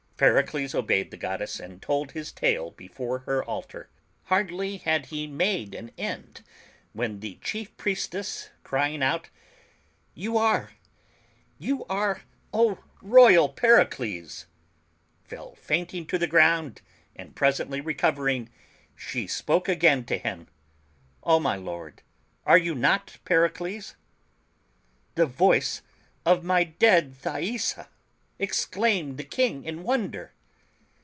Pericles obeyed the goddess and told his tale before her altar. Hardly had he made an end, when the chief priestess, crying out, "You are — ^you are — O royal Pericles !" fell fainting to the ground, and presently recovering, she spoke again to him, "O my lord, are you not Pericles !" "The voice of dead Thaisa !" exclaimed the King in wonder.